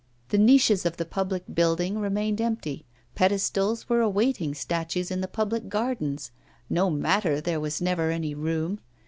The niches of the public buildings remained empty, pedestals were awaiting statues in the public gardens. No matter, there was never any room!